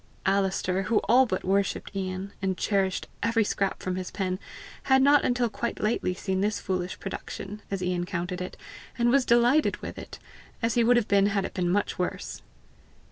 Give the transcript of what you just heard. Alister, who all but worshipped Ian, and cherished every scrap from his pen, had not until quite lately seen this foolish production, as Ian counted it, and was delighted with it, as he would have been had it been much worse.